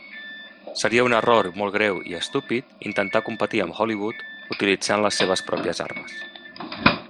Seria un error molt greu, i estúpid, intentar competir amb Hollywood utilitzant les seves pròpies armes.